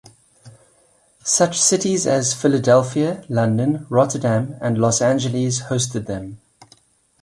Such cities as Philadelphia, London, Rotterdam and Los Angeles hosted them.